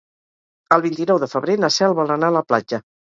El vint-i-nou de febrer na Cel vol anar a la platja.